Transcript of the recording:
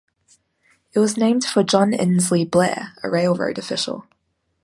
It was named for John Insley Blair, a railroad official.